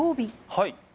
はい。